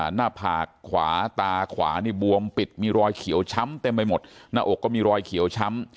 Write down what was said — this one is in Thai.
หน้าผากขวาตาขวานี่บวมปิดมีรอยเขียวช้ำเต็มไปหมดหน้าอกก็มีรอยเขียวช้ำ